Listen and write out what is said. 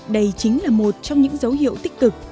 đây chính là một trong những dấu hiệu tích cực